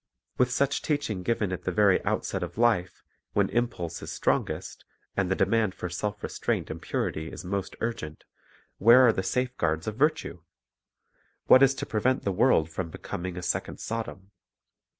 With such teaching given at the very outset of life, when impulse is . strongest, and the demand for self restraint and purity is most urgent, where are the safe guards of virtue? what is to prevent the world from becoming a second Sodom?